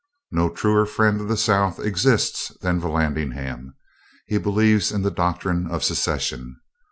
No truer friend of the South exists than Vallandigham. He believes in the doctrine of secession.